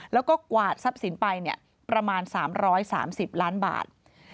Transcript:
แล้วก็กวาดทรัพย์สินไปประมาณ๓๓๐ล้านบาท